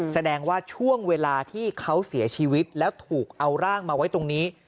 แสดงว่าช่วงเวลาที่เขาเสียชีวิตแล้วถูกเอาร่างมาไว้ตรงนี้